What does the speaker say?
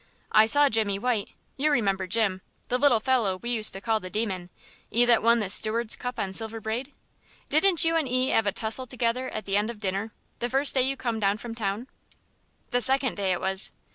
I saw Jimmy White you remember Jim, the little fellow we used to call the Demon, 'e that won the Stewards' Cup on Silver Braid?... Didn't you and 'e 'ave a tussle together at the end of dinner the first day you come down from town?" "The second day it was."